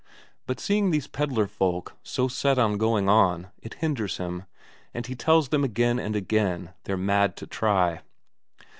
But seeing these pedlar folk so set on going on, it hinders him, and he tells them again and again they're mad to try.